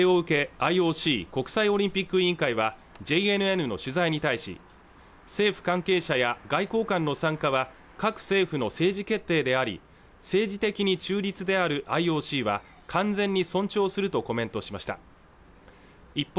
ＩＯＣ国際オリンピック委員会はＪＮＮの取材に対し政府関係者や外交官の参加は各政府の政治決定であり政治的に中立であるＩＯＣは完全に尊重するとコメントしました一方